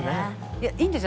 いいんです。